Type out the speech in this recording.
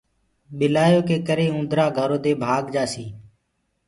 ٻلِآيآ ڪي ڪري اُوندرآ گھرو دي ڀآگجآسي۔